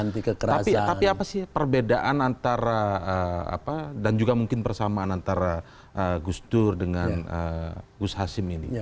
tapi apa sih perbedaan antara dan juga mungkin persamaan antara gus dur dengan gus hasim ini